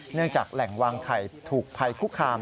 เนื่องจากแหล่งวางไข่ถูกภัยคุกคาม